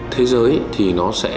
thế giới thì nó sẽ